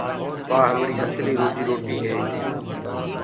وآ همري اسلي روجيٚ روٽي هي۔